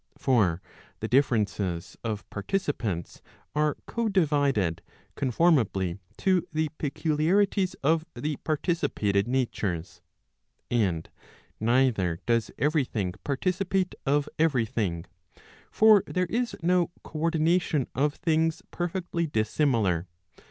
For the differences of participants are co divided conformably to the peculiarities of the participated natures. And neither does every thing participate of every thing; for there is no co ordination of things perfectly dissimilar.